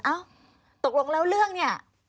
เอ้าตกลงแล้วเรื่องเนี่ย